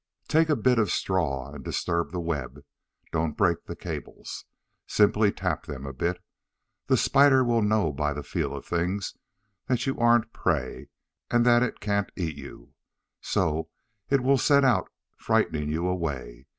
Take a bit of straw and disturb the web. Don't break the cables. Simply tap them a bit. The spider will know by the feel of things that you aren't prey and that it can't eat you. So it will set out frightening you away.